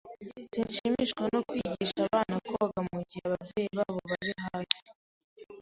Sinshimishwa no kwigisha abana koga mugihe ababyeyi babo bari hafi.